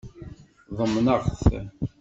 Ḍemneɣ-t.